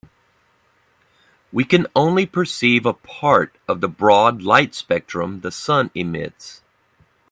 We can only perceive a part of the broad light spectrum the sun emits.